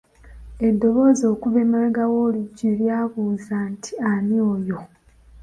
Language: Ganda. Eddoboozi okuva emabega w'oluggi lyabuuza nti ani oyo?